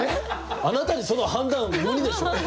あなたにその判断無理でしょ！